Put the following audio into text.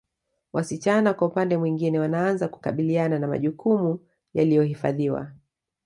Wasichana kwa upande mwingine wanaanza kukabiliana na majukumu yaliyohifadhiwa